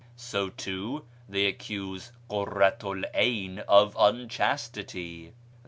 So, too, they accuse Kurratu 'l Ayn of unchastity.